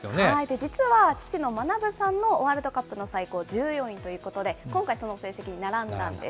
実は父の学さんのワールドカップの最高１４位ということで、今回、その成績に並んだんです。